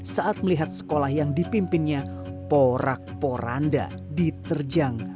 saat melihat sekolah yang dipimpinnya porak poranda diterjang